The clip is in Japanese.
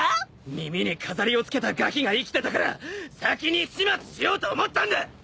耳に飾りをつけたがきが生きてたから先に始末しようと思ったんだ！